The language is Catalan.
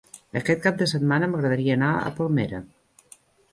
Aquest cap de setmana m'agradaria anar a Palmera.